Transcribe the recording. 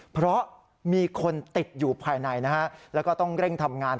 เพราะมีคนติดอยู่ภายในนะฮะแล้วก็ต้องเร่งทำงาน